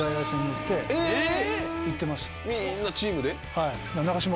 はい。